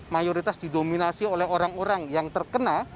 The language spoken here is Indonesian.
mayoritas didominasi oleh orang orang yang terkena